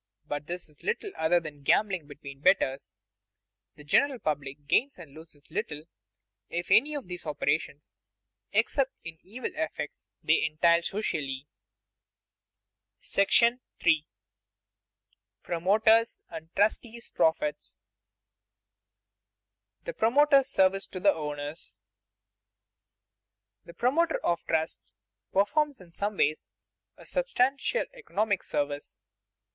But this is little other than gambling between betters. The general public gains and loses little if any by these operations, except in the evil effects they entail socially. § III. PROMOTER'S AND TRUSTEE'S PROFITS [Sidenote: The promoter's service to the owners] 1. _The promoter of trusts performs in some ways a substantial economic service.